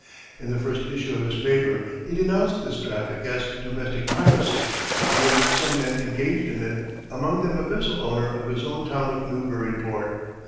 In the first issue of his paper, he denounced this traffic as "domestic piracy," and named some men engaged in it, among them a vessel owner of his own town of Newburyport.